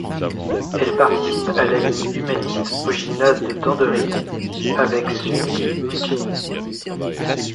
Elle participe à la ligne humaniste au gymnase de Danderyd avec Sunil Munshi.